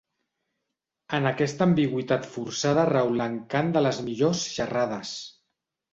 En aquesta ambigüitat forçada rau l'encant de les millors xarades.